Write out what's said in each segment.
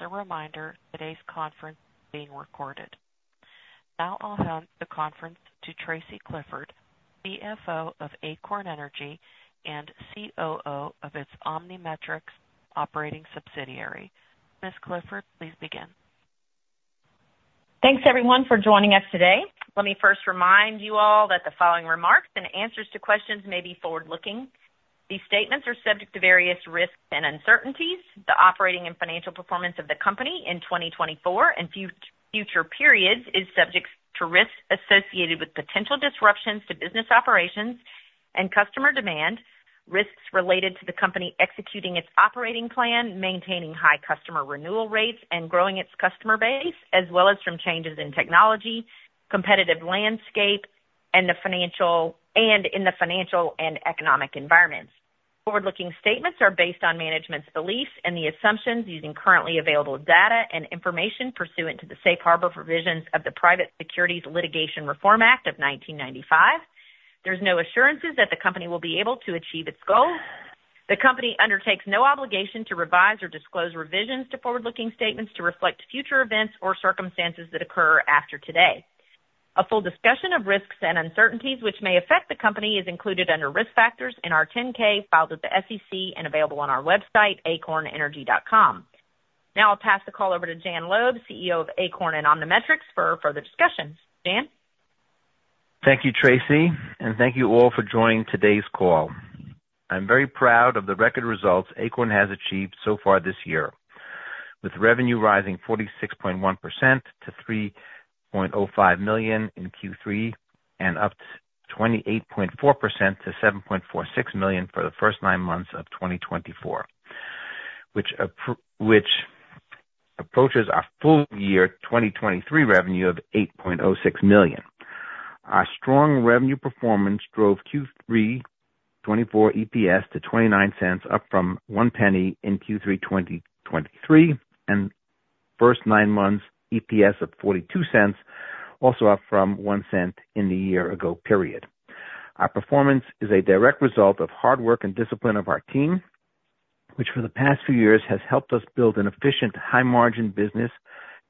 As a reminder, today's conference is being recorded. Now I'll hand the conference to Tracy Clifford, CFO of Acorn Energy and COO of its OmniMetrix operating subsidiary. Ms. Clifford, please begin. Thanks, everyone, for joining us today. Let me first remind you all that the following remarks and answers to questions may be forward-looking. These statements are subject to various risks and uncertainties. The operating and financial performance of the company in 2024 and future periods is subject to risks associated with potential disruptions to business operations and customer demand, risks related to the company executing its operating plan, maintaining high customer renewal rates, and growing its customer base, as well as from changes in technology, competitive landscape, and in the financial and economic environments. Forward-looking statements are based on management's beliefs and the assumptions using currently available data and information pursuant to the Safe Harbor Provisions of the Private Securities Litigation Reform Act of 1995. There's no assurances that the company will be able to achieve its goals. The company undertakes no obligation to revise or disclose revisions to forward-looking statements to reflect future events or circumstances that occur after today. A full discussion of risks and uncertainties which may affect the company is included under risk factors in our 10-K filed with the SEC and available on our website, acornenergy.com. Now I'll pass the call over to Jan Loeb, CEO of Acorn and OmniMetrix, for further discussion. Jan? Thank you, Tracy, and thank you all for joining today's call. I'm very proud of the record results Acorn has achieved so far this year, with revenue rising 46.1% to $3.05 million in Q3 2024 and up 28.4% to $7.46 million for the first nine months of 2024, which approaches our full-year 2023 revenue of $8.06 million. Our strong revenue performance drove Q3 2024 EPS to $0.29, up from $0.01 in Q3 2023, and first nine months EPS of $0.42 also up from $0.01 in the year ago. Our performance is a direct result of hard work and discipline of our team, which for the past few years has helped us build an efficient, high-margin business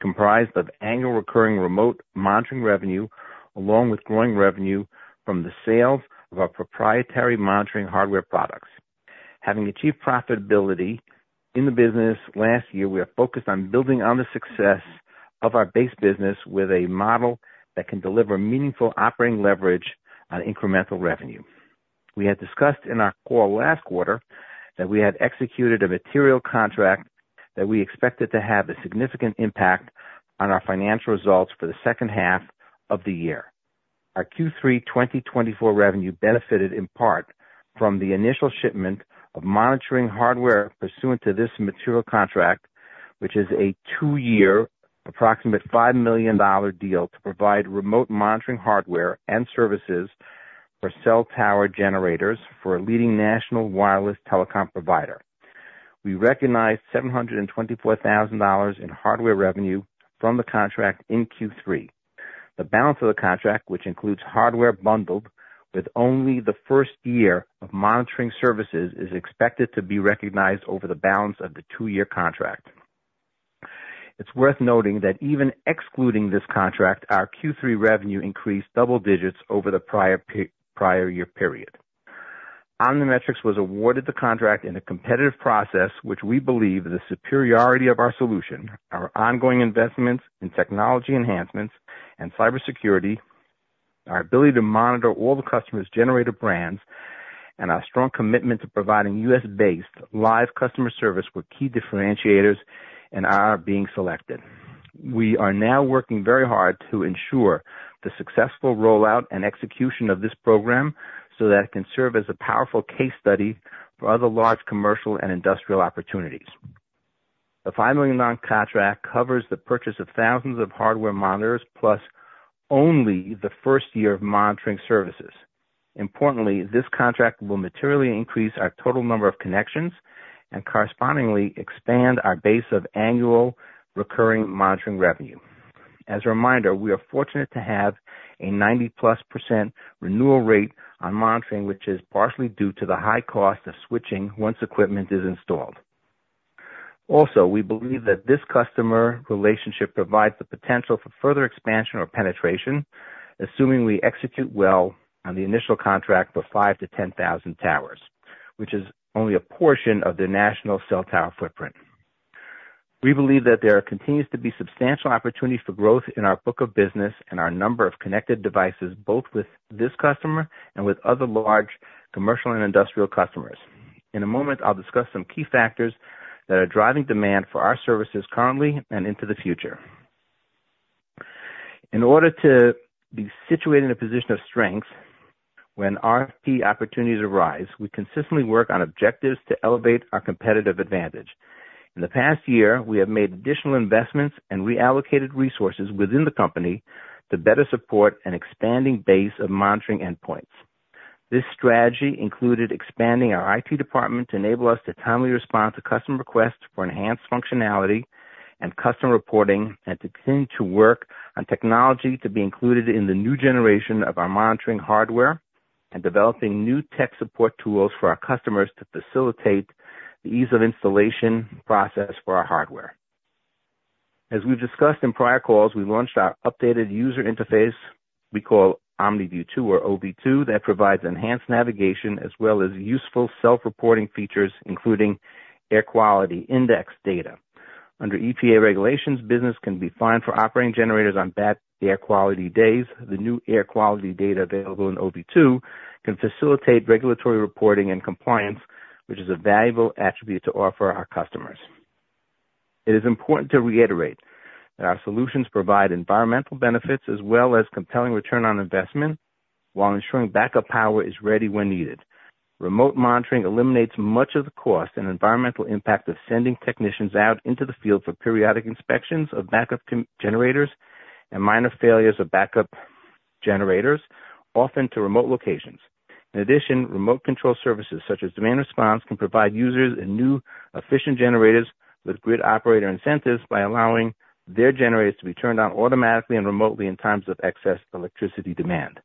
comprised of annual recurring remote monitoring revenue, along with growing revenue from the sales of our proprietary monitoring hardware products. Having achieved profitability in the business last year, we are focused on building on the success of our base business with a model that can deliver meaningful operating leverage on incremental revenue. We had discussed in our call last quarter that we had executed a material contract that we expected to have a significant impact on our financial results for the second half of the year. Our Q3 2024 revenue benefited in part from the initial shipment of monitoring hardware pursuant to this material contract, which is a two-year, approximate $5 million deal to provide remote monitoring hardware and services for cell tower generators for a leading national wireless telecom provider. We recognized $724,000 in hardware revenue from the contract in Q3. The balance of the contract, which includes hardware bundled with only the first year of monitoring services, is expected to be recognized over the balance of the two-year contract. It's worth noting that even excluding this contract, our Q3 revenue increased double digits over the prior year period. OmniMetrix was awarded the contract in a competitive process, which we believe is the superiority of our solution, our ongoing investments in technology enhancements and cybersecurity, our ability to monitor all the customers' generator brands, and our strong commitment to providing U.S.-based live customer service were key differentiators in our being selected. We are now working very hard to ensure the successful rollout and execution of this program so that it can serve as a powerful case study for other large commercial and industrial opportunities. The $5 million contract covers the purchase of thousands of hardware monitors, plus only the first year of monitoring services. Importantly, this contract will materially increase our total number of connections and correspondingly expand our base of annual recurring monitoring revenue. As a reminder, we are fortunate to have a 90-plus% renewal rate on monitoring, which is partially due to the high cost of switching once equipment is installed. Also, we believe that this customer relationship provides the potential for further expansion or penetration, assuming we execute well on the initial contract for 5 to 10,000 towers, which is only a portion of the national cell tower footprint. We believe that there continues to be substantial opportunities for growth in our book of business and our number of connected devices, both with this customer and with other large commercial and industrial customers. In a moment, I'll discuss some key factors that are driving demand for our services currently and into the future. In order to be situated in a position of strength when RFP opportunities arise, we consistently work on objectives to elevate our competitive advantage. In the past year, we have made additional investments and reallocated resources within the company to better support an expanding base of monitoring endpoints. This strategy included expanding our IT department to enable us to timely respond to customer requests for enhanced functionality and customer reporting and to continue to work on technology to be included in the new generation of our monitoring hardware and developing new tech support tools for our customers to facilitate the ease of installation process for our hardware. As we've discussed in prior calls, we launched our updated user interface we call OmniView 2 or OV2 that provides enhanced navigation as well as useful self-reporting features, including Air Quality Index data. Under EPA regulations, business can be fined for operating generators on bad air quality days. The new air quality data available in OV2 can facilitate regulatory reporting and compliance, which is a valuable attribute to offer our customers. It is important to reiterate that our solutions provide environmental benefits as well as compelling return on investment while ensuring backup power is ready when needed. Remote monitoring eliminates much of the cost and environmental impact of sending technicians out into the field for periodic inspections of backup generators and minor failures of backup generators, often to remote locations. In addition, remote control services such as demand response can provide users new, efficient generators with grid operator incentives by allowing their generators to be turned on automatically and remotely in times of excess electricity demand.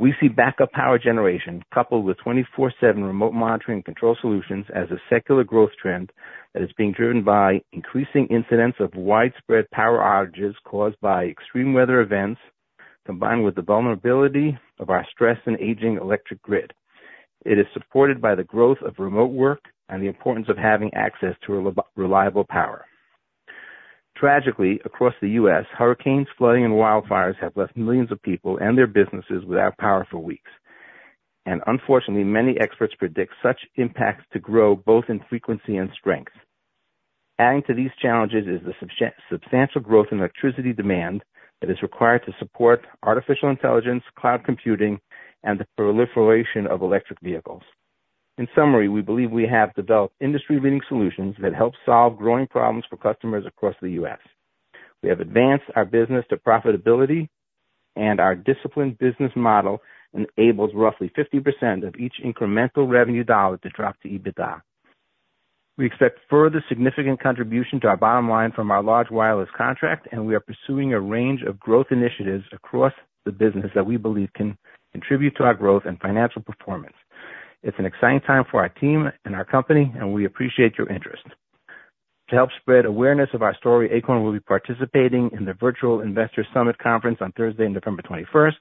We see backup power generation coupled with 24/7 remote monitoring and control solutions as a secular growth trend that is being driven by increasing incidents of widespread power outages caused by extreme weather events, combined with the vulnerability of our stressed and aging electric grid. It is supported by the growth of remote work and the importance of having access to reliable power. Tragically, across the U.S., hurricanes, flooding, and wildfires have left millions of people and their businesses without power for weeks, and unfortunately, many experts predict such impacts to grow both in frequency and strength. Adding to these challenges is the substantial growth in electricity demand that is required to support artificial intelligence, cloud computing, and the proliferation of electric vehicles. In summary, we believe we have developed industry-leading solutions that help solve growing problems for customers across the U.S. We have advanced our business to profitability, and our disciplined business model enables roughly 50% of each incremental revenue dollar to drop to EBITDA. We expect further significant contribution to our bottom line from our large wireless contract, and we are pursuing a range of growth initiatives across the business that we believe can contribute to our growth and financial performance. It's an exciting time for our team and our company, and we appreciate your interest. To help spread awareness of our story, Acorn will be participating in the Virtual Investor Summit Conference on Thursday, November 21st.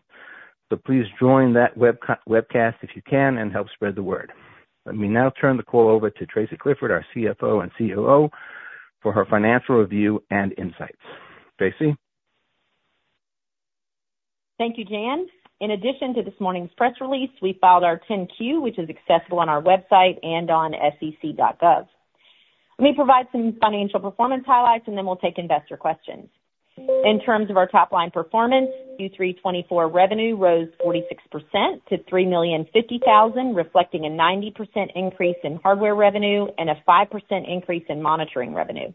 So please join that webcast if you can and help spread the word. Let me now turn the call over to Tracy Clifford, our CFO and COO, for her financial review and insights. Tracy? Thank you, Jan. In addition to this morning's press release, we filed our 10-Q, which is accessible on our website and on sec.gov. Let me provide some financial performance highlights, and then we'll take investor questions. In terms of our top-line performance, Q3 2024 revenue rose 46% to $3,050,000, reflecting a 90% increase in hardware revenue and a 5% increase in monitoring revenue.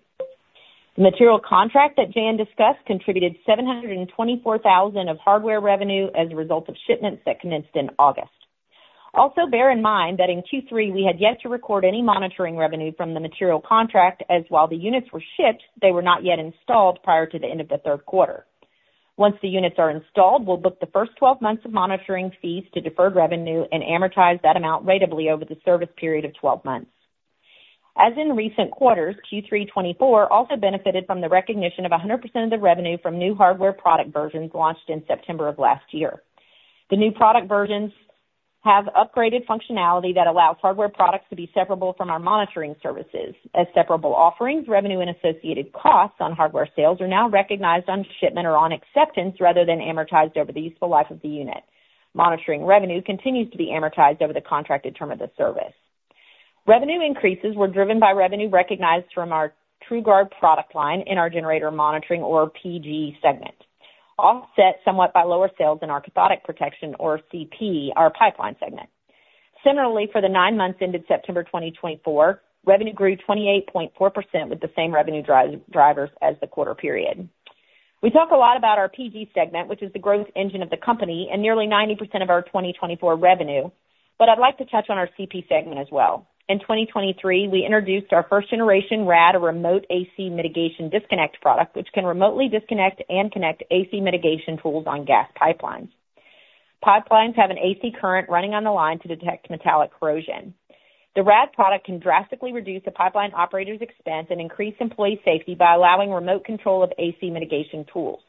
The material contract that Jan discussed contributed $724,000 of hardware revenue as a result of shipments that commenced in August. Also, bear in mind that in Q3, we had yet to record any monitoring revenue from the material contract, as while the units were shipped, they were not yet installed prior to the end of the third quarter. Once the units are installed, we'll book the first 12 months of monitoring fees to deferred revenue and amortize that amount ratably over the service period of 12 months. As in recent quarters, Q3 2024 also benefited from the recognition of 100% of the revenue from new hardware product versions launched in September of last year. The new product versions have upgraded functionality that allows hardware products to be separable from our monitoring services. As separable offerings, revenue and associated costs on hardware sales are now recognized on shipment or on acceptance rather than amortized over the useful life of the unit. Monitoring revenue continues to be amortized over the contracted term of the service. Revenue increases were driven by revenue recognized from our TrueGuard product line in our generator monitoring, or PG, segment, offset somewhat by lower sales in our cathodic protection, or CP, our pipeline segment. Similarly, for the nine months ended September 2024, revenue grew 28.4% with the same revenue drivers as the quarter period. We talk a lot about our PG segment, which is the growth engine of the company and nearly 90% of our 2024 revenue, but I'd like to touch on our CP segment as well. In 2023, we introduced our first-generation RAD, a remote AC mitigation disconnect product, which can remotely disconnect and connect AC mitigation tools on gas pipelines. Pipelines have an AC current running on the line to detect metallic corrosion. The RAD product can drastically reduce the pipeline operator's expense and increase employee safety by allowing remote control of AC mitigation tools.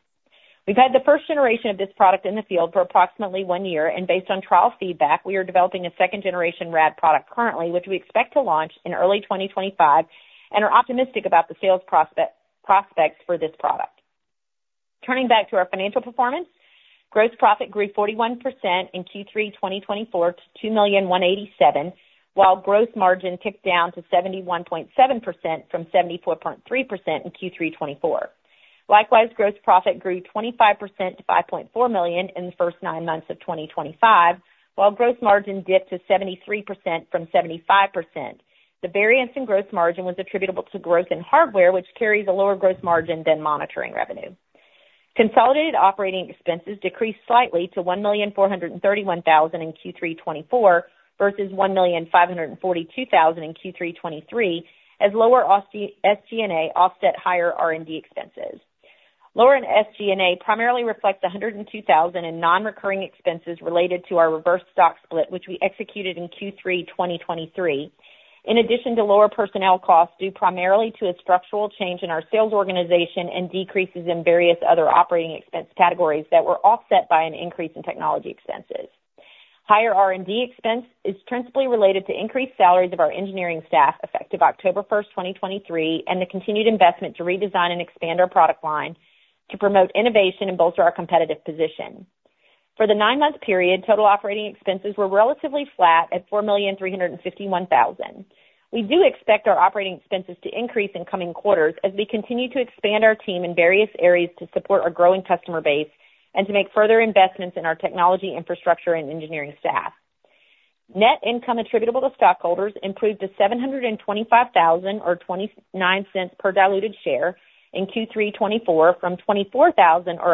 We've had the first generation of this product in the field for approximately one year, and based on trial feedback, we are developing a second-generation RAD product currently, which we expect to launch in early 2025 and are optimistic about the sales prospects for this product. Turning back to our financial performance, gross profit grew 41% in Q3 2024 to $2,187,000 while gross margin ticked down to 71.7% from 74.3% in Q3 2024. Likewise, gross profit grew 25% to $5.4 million in the first nine months of 2025, while gross margin dipped to 73% from 75%. The variance in gross margin was attributable to growth in hardware, which carries a lower gross margin than monitoring revenue. Consolidated operating expenses decreased slightly to $1,431,000 in Q3 2024 versus $1,542,000 in Q3 2023, as lower SG&A offset higher R&D expenses. Lower in SG&A primarily reflects $102,000 in non-recurring expenses related to our reverse stock split, which we executed in Q3 2023, in addition to lower personnel costs due primarily to a structural change in our sales organization and decreases in various other operating expense categories that were offset by an increase in technology expenses. Higher R&D expense is principally related to increased salaries of our engineering staff effective October 1st, 2023, and the continued investment to redesign and expand our product line to promote innovation and bolster our competitive position. For the nine-month period, total operating expenses were relatively flat at $4,351,000. We do expect our operating expenses to increase in coming quarters as we continue to expand our team in various areas to support our growing customer base and to make further investments in our technology infrastructure and engineering staff. Net income attributable to stockholders improved to $725,000 or $0.29 per diluted share in Q3 2024 from $24,000 or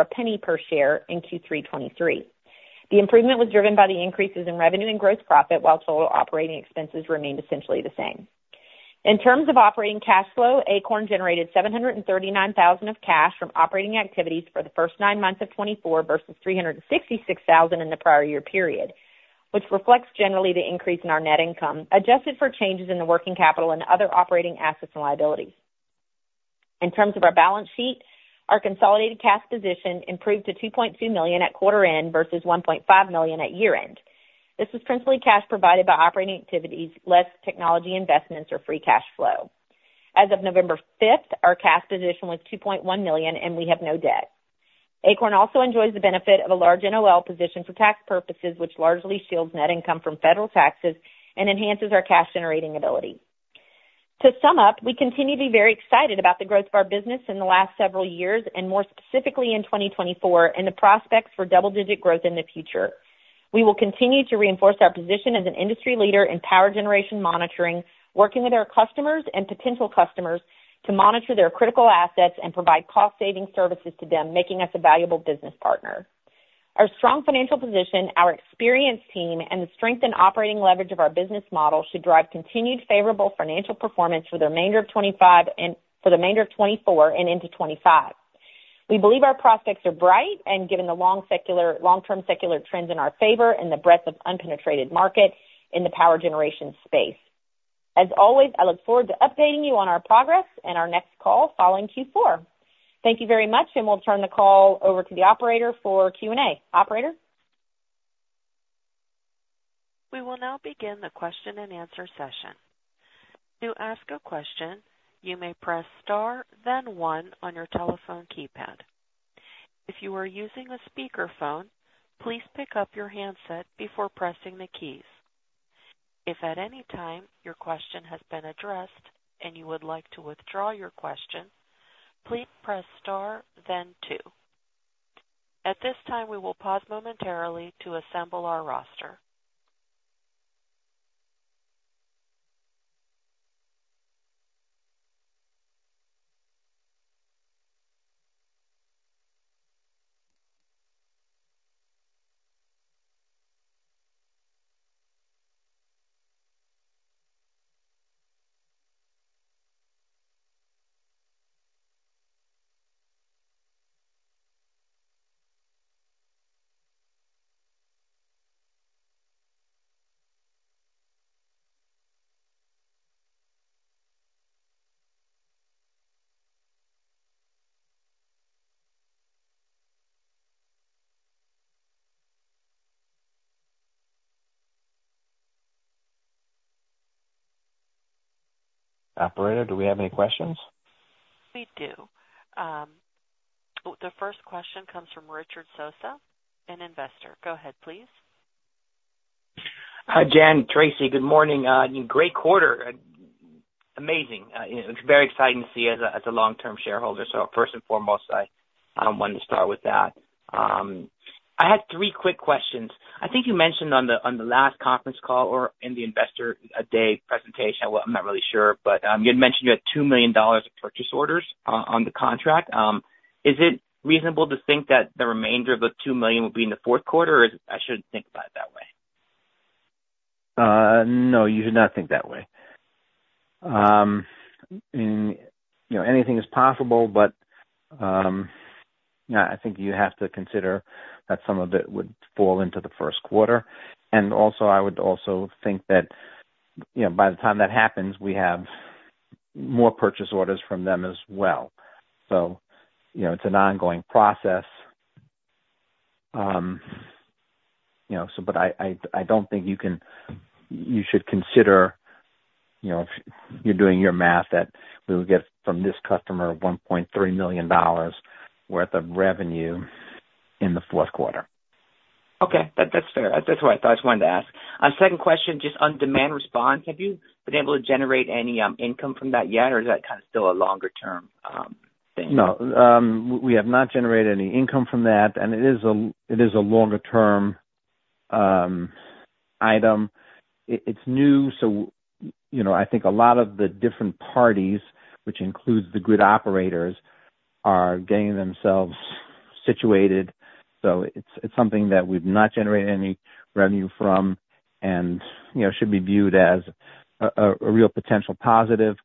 $0.01 per share in Q3 2023. The improvement was driven by the increases in revenue and gross profit, while total operating expenses remained essentially the same. In terms of operating cash flow, Acorn generated $739,000 of cash from operating activities for the first nine months of 2024 versus $366,000 in the prior year period, which reflects generally the increase in our net income adjusted for changes in the working capital and other operating assets and liabilities. In terms of our balance sheet, our consolidated cash position improved to $2.2 million at quarter-end versus $1.5 million at year-end. This was principally cash provided by operating activities, less technology investments, or free cash flow. As of November 5th, our cash position was $2.1 million, and we have no debt. Acorn also enjoys the benefit of a large NOL position for tax purposes, which largely shields net income from federal taxes and enhances our cash-generating ability. To sum up, we continue to be very excited about the growth of our business in the last several years, and more specifically in 2024, and the prospects for double-digit growth in the future. We will continue to reinforce our position as an industry leader in power generation monitoring, working with our customers and potential customers to monitor their critical assets and provide cost-saving services to them, making us a valuable business partner. Our strong financial position, our experienced team, and the strengthened operating leverage of our business model should drive continued favorable financial performance for the remainder of 2024 and into 2025. We believe our prospects are bright, given the long-term secular trends in our favor and the breadth of unpenetrated market in the power generation space. As always, I look forward to updating you on our progress and our next call following Q4. Thank you very much, and we'll turn the call over to the operator for Q&A. Operator? We will now begin the question-and-answer session. To ask a question, you may press star, then one on your telephone keypad. If you are using a speakerphone, please pick up your handset before pressing the keys. If at any time your question has been addressed and you would like to withdraw your question, please press star, then two. At this time, we will pause momentarily to assemble our roster. Operator, do we have any questions? We do. The first question comes from Richard Sosa, an investor. Go ahead, please. Hi, Jan. Tracy, good morning. Great quarter. Amazing. It's very exciting to see as a long-term shareholder. So first and foremost, I wanted to start with that. I had three quick questions. I think you mentioned on the last conference call or in the Investor Day presentation. I'm not really sure, but you had mentioned you had $2 million of purchase orders on the contract. Is it reasonable to think that the remainder of the $2 million will be in the fourth quarter, or I shouldn't think about it that way? No, you should not think that way. Anything is possible, but I think you have to consider that some of it would fall into the first quarter. And also, I would also think that by the time that happens, we have more purchase orders from them as well. So it's an ongoing process. But I don't think you should consider, if you're doing your math, that we will get from this customer $1.3 million worth of revenue in the fourth quarter. Okay. That's fair. That's what I just wanted to ask. Second question, just on demand response, have you been able to generate any income from that yet, or is that kind of still a longer-term thing? No. We have not generated any income from that, and it is a longer-term item. It's new, so I think a lot of the different parties, which includes the grid operators, are getting themselves situated. So it's something that we've not generated any revenue from and should be viewed as a real potential positive,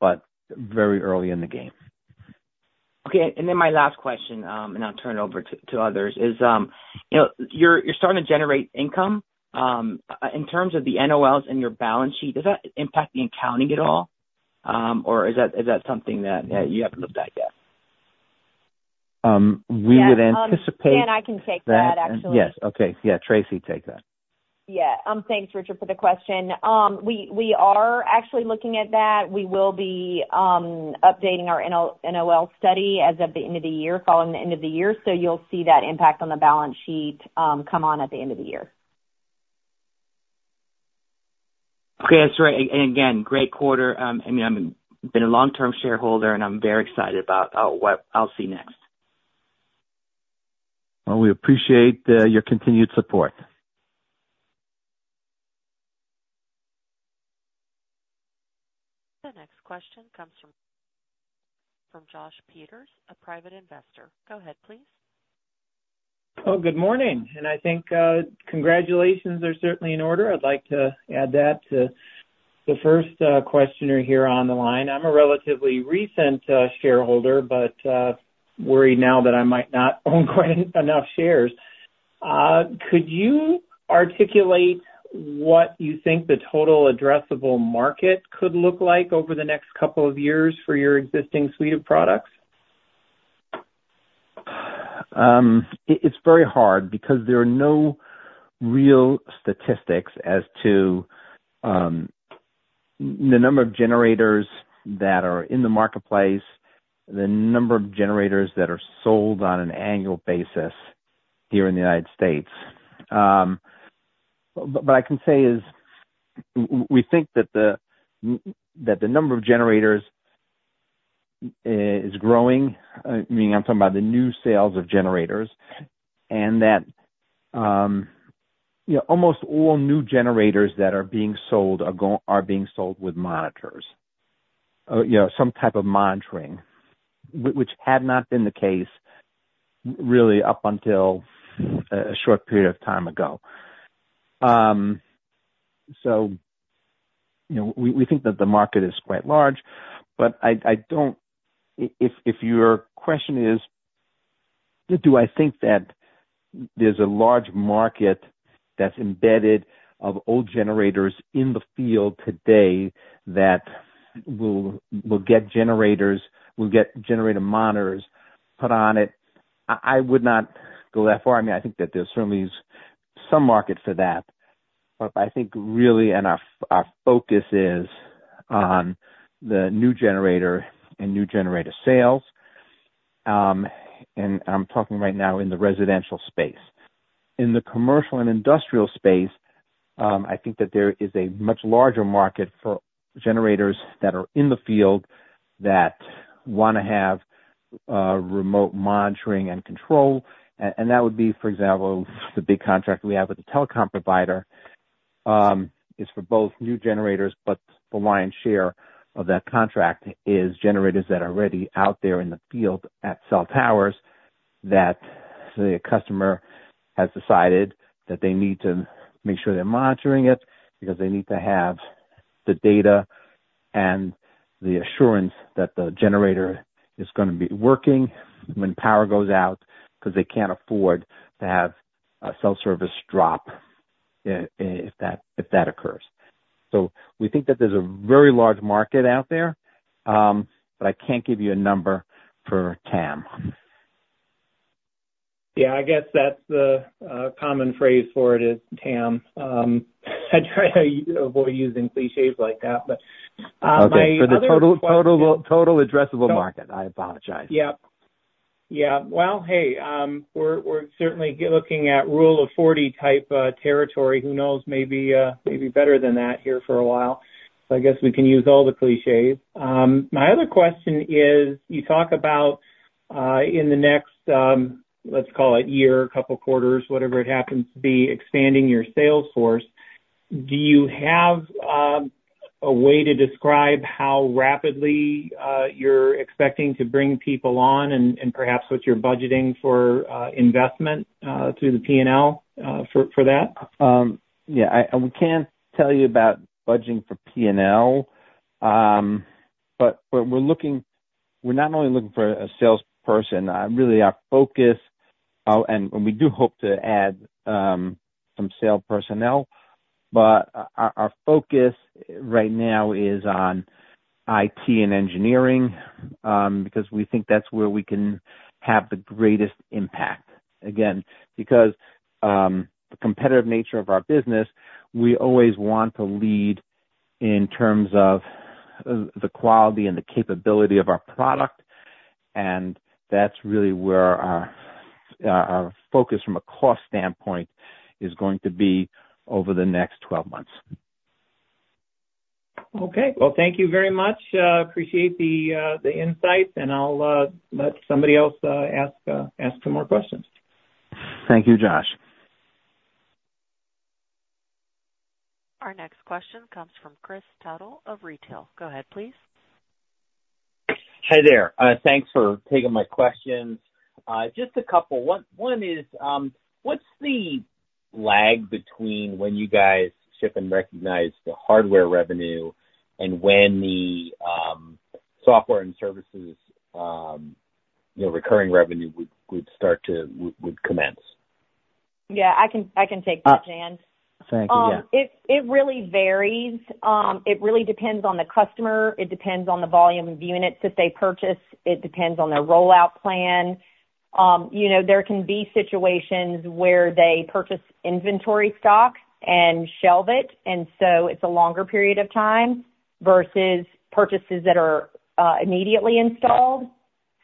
but very early in the game. Okay, and then my last question, and I'll turn it over to others, is you're starting to generate income. In terms of the NOLs in your balance sheet, does that impact the accounting at all, or is that something that you haven't looked at yet? We would anticipate. Jan, I can take that, actually. Yes. Okay. Yeah. Tracy, take that. Yeah. Thanks, Richard, for the question. We are actually looking at that. We will be updating our NOL study as of the end of the year, following the end of the year, so you'll see that impact on the balance sheet come on at the end of the year. Okay. That's right. And again, great quarter. I mean, I've been a long-term shareholder, and I'm very excited about what I'll see next. We appreciate your continued support. The next question comes from Josh Peters, a private investor. Go ahead, please. Oh, good morning, and I think congratulations are certainly in order. I'd like to add that to the first questioner here on the line. I'm a relatively recent shareholder but worried now that I might not own quite enough shares. Could you articulate what you think the total addressable market could look like over the next couple of years for your existing suite of products? It's very hard because there are no real statistics as to the number of generators that are in the marketplace, the number of generators that are sold on an annual basis here in the United States. But I can say is we think that the number of generators is growing. I mean, I'm talking about the new sales of generators and that almost all new generators that are being sold are being sold with monitors, some type of monitoring, which had not been the case really up until a short period of time ago. So we think that the market is quite large, but if your question is, do I think that there's a large market that's embedded of old generators in the field today that will get generator monitors put on it? I would not go that far. I mean, I think that there's certainly some market for that, but I think really our focus is on the new generator and new generator sales, and I'm talking right now in the residential space. In the commercial and industrial space, I think that there is a much larger market for generators that are in the field that want to have remote monitoring and control. That would be, for example, the big contract we have with the telecom provider is for both new generators, but the lion's share of that contract is generators that are already out there in the field at cell towers that the customer has decided that they need to make sure they're monitoring it because they need to have the data and the assurance that the generator is going to be working when power goes out because they can't afford to have a cell service drop if that occurs. We think that there's a very large market out there, but I can't give you a number for TAM. Yeah. I guess that's the common phrase for it is TAM. I try to avoid using clichés like that, but my question was. For the total addressable market. I apologize. Yep. Yeah. Well, hey, we're certainly looking at Rule of 40 type territory. Who knows? Maybe better than that here for a while. So I guess we can use all the clichés. My other question is you talk about in the next, let's call it year, a couple of quarters, whatever it happens to be, expanding your sales force. Do you have a way to describe how rapidly you're expecting to bring people on and perhaps what you're budgeting for investment through the P&L for that? Yeah. We can't tell you about budgeting for P&L, but we're not only looking for a salesperson. Really, our focus, and we do hope to add some sales personnel, but our focus right now is on IT and engineering because we think that's where we can have the greatest impact. Again, because the competitive nature of our business, we always want to lead in terms of the quality and the capability of our product. And that's really where our focus from a cost standpoint is going to be over the next 12 months. Okay, well, thank you very much. Appreciate the insights, and I'll let somebody else ask some more questions. Thank you, Josh. Our next question comes from Chris Tuttle of retail. Go ahead, please. Hi there. Thanks for taking my questions. Just a couple. One is, what's the lag between when you guys ship and recognize the hardware revenue and when the software and services recurring revenue would commence? Yeah. I can take that, Jan. Thank you. Yeah. It really varies. It really depends on the customer. It depends on the volume of units that they purchase. It depends on their rollout plan. There can be situations where they purchase inventory stock and shelve it, and so it's a longer period of time versus purchases that are immediately installed.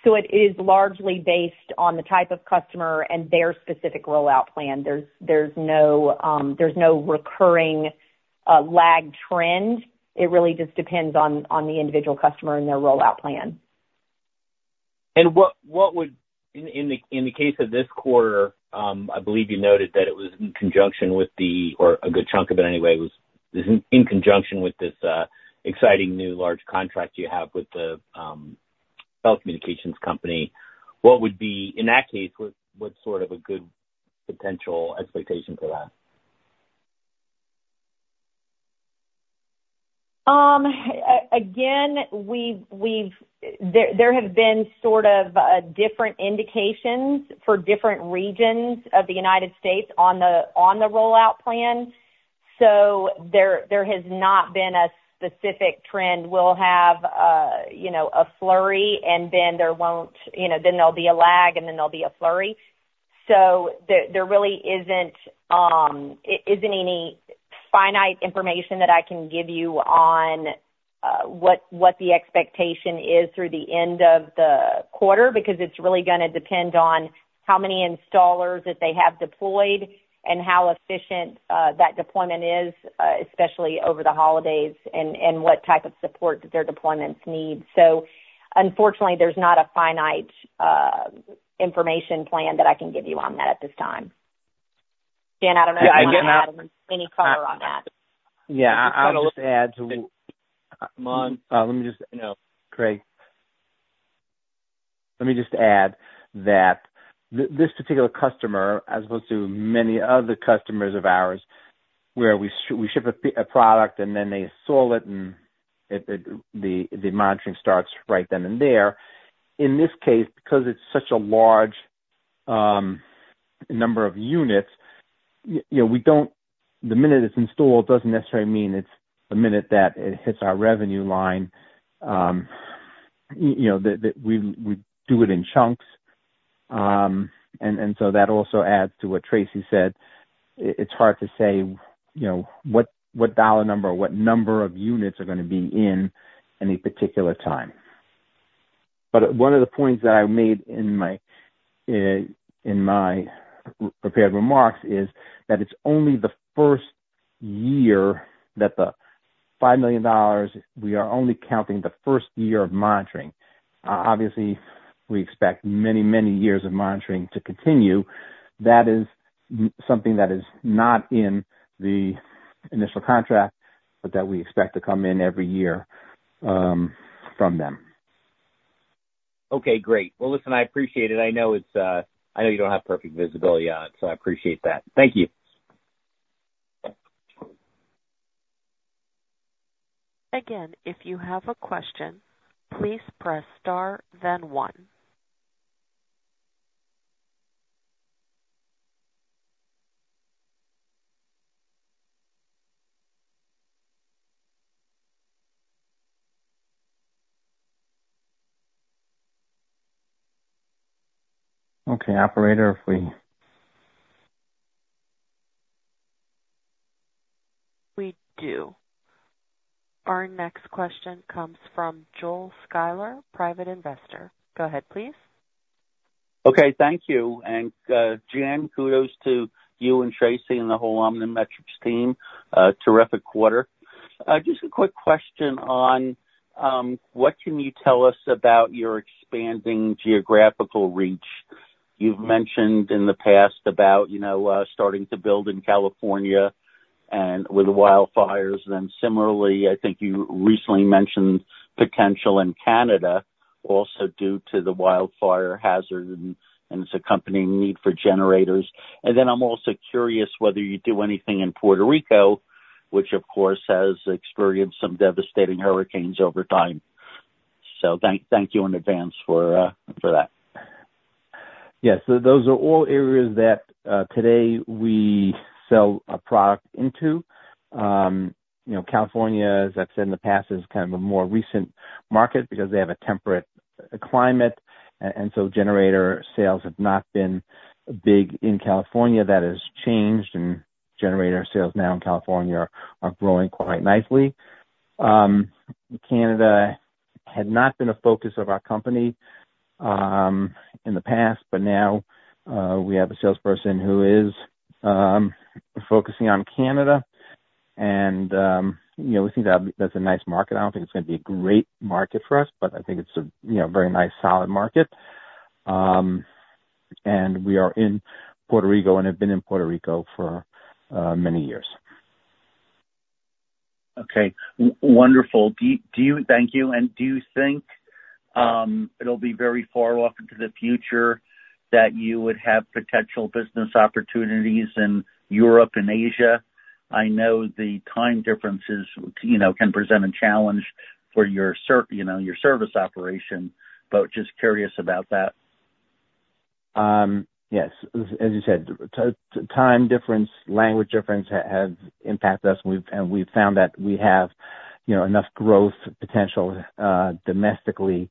So it is largely based on the type of customer and their specific rollout plan. There's no recurring lag trend. It really just depends on the individual customer and their rollout plan. In the case of this quarter, I believe you noted that it was in conjunction with the, or a good chunk of it anyway was in conjunction with this exciting new large contract you have with the telecommunications company. In that case, what's sort of a good potential expectation for that? Again, there have been sort of different indications for different regions of the United States on the rollout plan. So there has not been a specific trend. We'll have a flurry, and then there won't, then there'll be a lag, and then there'll be a flurry. So there really isn't any finite information that I can give you on what the expectation is through the end of the quarter because it's really going to depend on how many installers that they have deployed and how efficient that deployment is, especially over the holidays, and what type of support that their deployments need. So unfortunately, there's not a finite information plan that I can give you on that at this time. Jan, I don't know if you have any color on that. Yeah. I'll just add to... Let me just, no. Craig. Let me just add that this particular customer, as opposed to many other customers of ours, where we ship a product and then they install it and the monitoring starts right then and there. In this case, because it's such a large number of units, the minute it's installed doesn't necessarily mean it's the minute that it hits our revenue line. We do it in chunks. And so that also adds to what Tracy said. It's hard to say what dollar number or what number of units are going to be in any particular time. But one of the points that I made in my prepared remarks is that it's only the first year that the $5 million. We are only counting the first year of monitoring. Obviously, we expect many, many years of monitoring to continue. That is something that is not in the initial contract, but that we expect to come in every year from them. Okay. Great. Well, listen, I appreciate it. I know you don't have perfect visibility on it, so I appreciate that. Thank you. Again, if you have a question, please press star, then one. Okay. Operator, if we. We do. Our next question comes from Joel Shuler, private investor. Go ahead, please. Okay. Thank you. Jan, kudos to you and Tracy and the whole OmniMetrix team. Terrific quarter. Just a quick question on what can you tell us about your expanding geographical reach? You've mentioned in the past about starting to build in California with the wildfires. Similarly, I think you recently mentioned potential in Canada also due to the wildfire hazard and its accompanying need for generators. Then I'm also curious whether you do anything in Puerto Rico, which, of course, has experienced some devastating hurricanes over time. So thank you in advance for that. Yes. Those are all areas that today we sell a product into. California, as I've said in the past, is kind of a more recent market because they have a temperate climate, and so generator sales have not been big in California. That has changed, and generator sales now in California are growing quite nicely. Canada had not been a focus of our company in the past, but now we have a salesperson who is focusing on Canada, and we think that's a nice market. I don't think it's going to be a great market for us, but I think it's a very nice solid market, and we are in Puerto Rico and have been in Puerto Rico for many years. Okay. Wonderful. Thank you. And do you think it'll be very far off into the future that you would have potential business opportunities in Europe and Asia? I know the time differences can present a challenge for your service operation, but just curious about that. Yes. As you said, time difference, language difference has impacted us, and we've found that we have enough growth potential domestically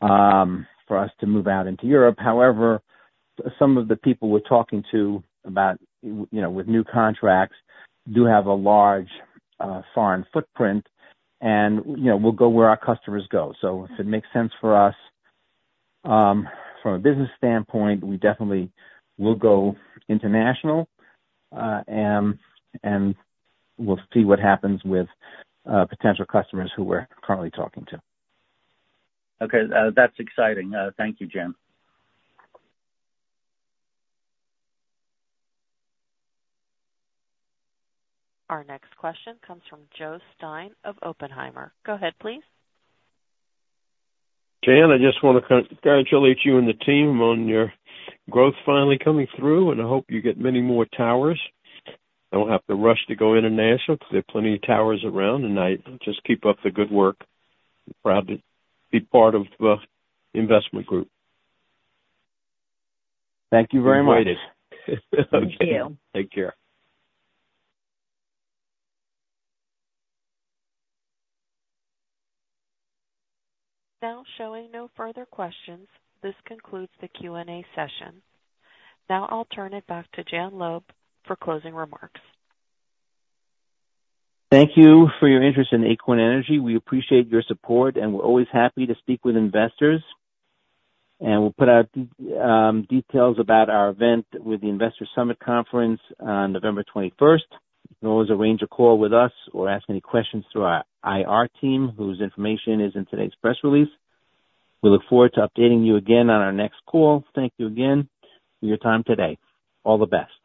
for us to move out into Europe. However, some of the people we're talking to about with new contracts do have a large foreign footprint, and we'll go where our customers go, so if it makes sense for us from a business standpoint, we definitely will go international, and we'll see what happens with potential customers who we're currently talking to. Okay. That's exciting. Thank you, Jan. Our next question comes from Joe Stein of Oppenheimer. Go ahead, please. Jan, I just want to congratulate you and the team on your growth finally coming through, and I hope you get many more towers. I won't have to rush to go international because there are plenty of towers around, and I just keep up the good work. Proud to be part of the investment group. Thank you very much. Appreciate it. Thank you. Take care. Now, showing no further questions, this concludes the Q&A session. Now I'll turn it back to Jan Loeb for closing remarks. Thank you for your interest in Acorn Energy. We appreciate your support, and we're always happy to speak with investors, and we'll put out details about our event with the Investor Summit conference on November 21st. You can always arrange a call with us or ask any questions through our IR team, whose information is in today's press release. We look forward to updating you again on our next call. Thank you again for your time today. All the best.